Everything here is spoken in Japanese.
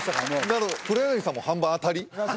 なるほど黒柳さんも半分当たり？